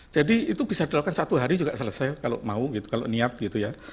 jadi itu bisa dilakukan satu hari juga selesai kalau mau gitu kalau niat gitu ya